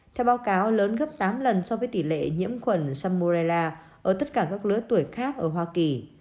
theo báo cáo lớn gấp tám lần so với tỷ lệ nhiễm khuẩn salmonella ở tất cả các lứa tuổi khác ở hoa kỳ